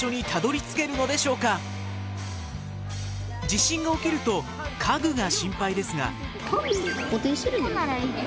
地震が起きると家具が心配ですが。